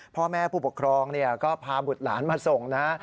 พ่อแม่ผู้ปกครองก็พาบุตรหลานมาส่งนะ